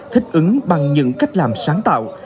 thích ứng bằng những cách làm sáng tạo